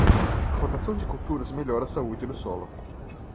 A rotação de culturas melhora a saúde do solo.